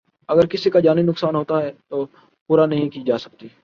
اگر کسی کا جانی نقصان ہوتا ہے تو پورا نہیں کی جا سکتی